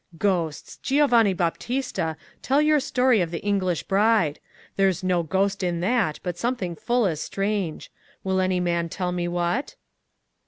Ghosts! Giovanni Baptista, tell your story of the English bride. There's no ghost in that, but something full as strange. Will any man tell me what?